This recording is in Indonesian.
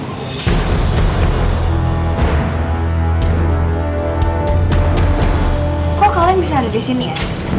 kok kalian bisa ada di sini ya